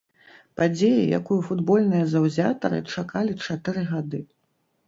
Падзея, якую футбольныя заўзятары чакалі чатыры гады.